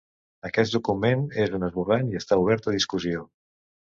Aquest document és un esborrany i està obert a discussió.